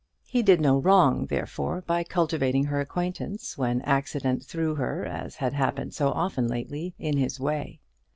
He did no wrong, therefore, by cultivating her acquaintance when accident threw her, as had happened so often lately, in his way.